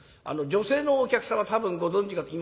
女性のお客様多分ご存じかと。